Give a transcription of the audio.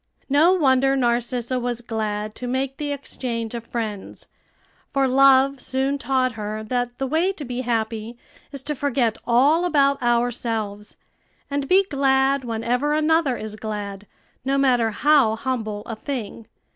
No wonder Narcissa was glad to make the exchange of friends; for Love soon taught her that the way to be happy is to forget all about ourselves, and be glad whenever another is glad, no matter how humble a thing.